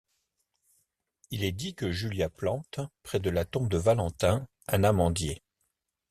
Il est dit que Julia plante, près de la tombe de Valentin, un amandier.